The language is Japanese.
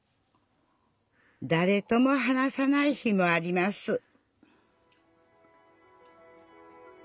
だれとも話さない日もあります